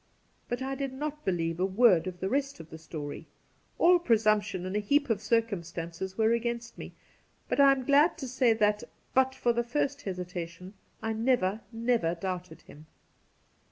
But I did not believe a word of the rest of the story. All presumption and a heap of circumstances were against me, but I am glad to say that, but for the first hesi tation, I never, never doubted him.